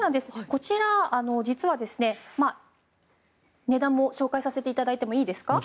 こちら、実は値段も紹介させていただいてもいいですか？